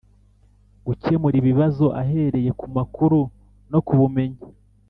gukemura ibibazo ahereye ku makuru no ku bumenyi